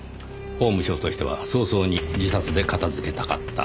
法務省としては早々に自殺で片づけたかった。